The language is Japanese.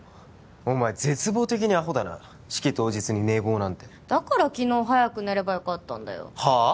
お前絶望的にアホだな式当日に寝坊なんてだから昨日早く寝ればよかったんだよはあ？